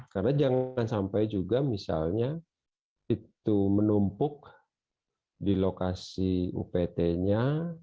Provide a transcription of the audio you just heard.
karena jangan sampai juga misalnya itu menumpuk di lokasi upt nya